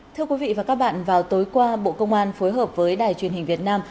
thưa quý vị và các bạn vào tối qua bộ công an phối hợp với đài truyền hình việt nam